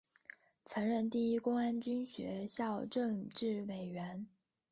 曾任第一公安军学校政治委员。